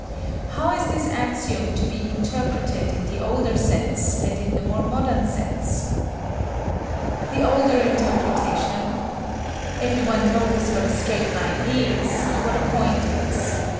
How is this axiom to be interpreted in the older sense and in the more modern sense? The older interpretation: Every one knows what a straight line is, and what a point is.